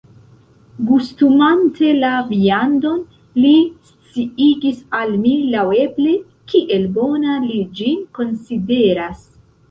Gustumante la viandon, li sciigis al mi laŭeble, kiel bona li ĝin konsideras.